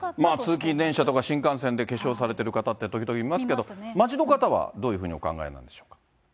通勤電車とか新幹線で化粧されてる方って、時々いますけど、街の方はどういうふうにお考えなんでしょう。